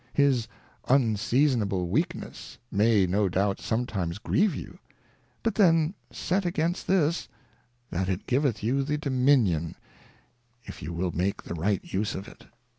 His Un seasonable Weakness may no doubt sometimes grieve you, but then set against this, that it giveth you the Dominion, if you will make the right use of it.